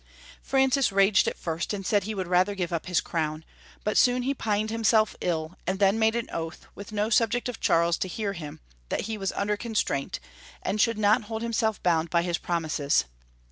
Francis raged at first and said he would rather give up his crown, but soon he pined himself ill, and then made an oath, with no subject of Charles to hear him, tliat he was under constraint, and should not hold himself bound by his promises.